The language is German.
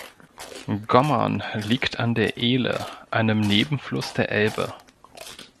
Gommern liegt an der Ehle, einem Nebenfluss der Elbe.